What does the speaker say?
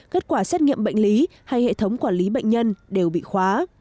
kết quả xét nghiệm bệnh lý hay hệ thống quản lý bệnh nhân đều bị khóa